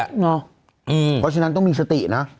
เพราะฉะนั้นต้องมีสตินะ